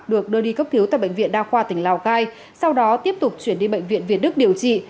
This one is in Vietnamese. được đưa đi cấp cứu tại bệnh viện đa khoa tỉnh lào cai sau đó tiếp tục chuyển đi bệnh viện việt đức điều trị